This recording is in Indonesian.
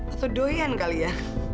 atau doyan kali ya